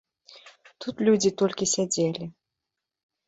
Тут людзі толькі сядзелі.